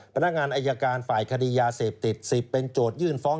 พนักงานอายการฝ่ายคดียาเสพติด๑๐เป็นโจทยื่นฟ้อง